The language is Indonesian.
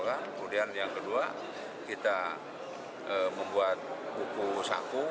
kemudian yang kedua kita membuat buku saku